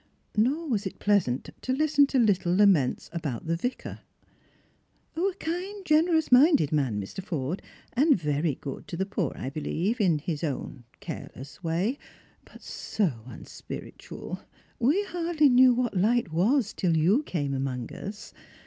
Nor was it pleasant to listen to little laments about the Vicar. " A kind, generous minded man, Mr. Forde, and very good to the poor, I believe, in his own careless way, — but so unspiritual ! We hardly knew what light was till you came among us."